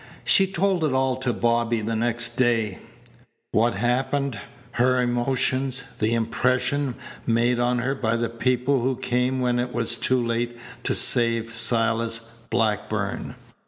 She told it all to Bobby the next day what happened, her emotions, the impression made on her by the people who came when it was too late to save Silas Blackburn.